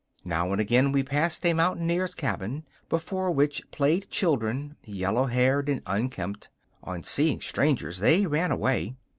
Now and again we passed a mountaineer's cabin, before which played children, yellow haired and unkempt. On seeing strangers, they ran away.